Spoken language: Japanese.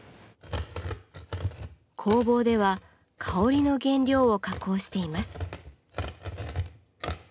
工房では香りの原料を加工しています。